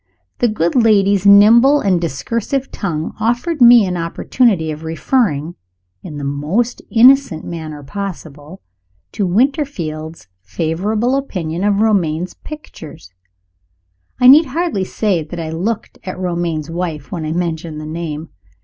The good lady's nimble and discursive tongue offered me an opportunity of referring, in the most innocent manner possible, to Winterfield's favorable opinion of Romayne's pictures. I need hardly say that I looked at Romayne's wife when I mentioned the name.